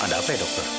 ada apa ya dokter